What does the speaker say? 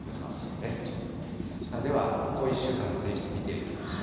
では、向こう１週間の天気、見ていきましょう。